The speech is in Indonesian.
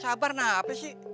sabar nah apa sih